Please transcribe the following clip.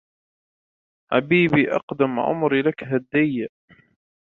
حبيبي أقدّم عمري لكَ هديّة